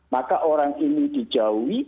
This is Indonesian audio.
maka orang ini dijauhi